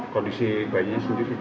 kondisi bayinya sendiri